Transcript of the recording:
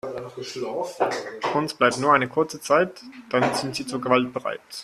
Uns bleibt nur eine kurze Zeit, dann sind sie zur Gewalt bereit.